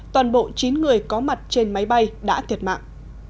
toàn bộ chín người có mặt trên máy bay đã thiệt mạng